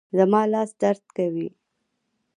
زما لاس درد کوي